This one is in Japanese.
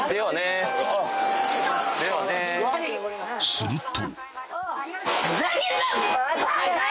［すると］